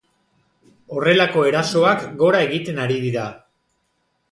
Horrelako erasoak gora egiten ari dira.